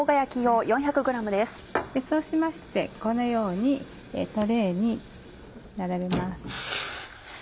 そうしましてこのようにトレーに並べます。